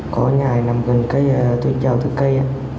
có nhà thì gần năm tuần cây tôi chào từ cây